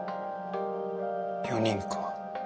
４人か。